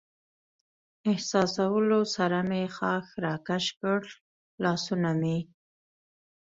احساسولو سره مې ښاخ را کش کړل، لاسونه مې.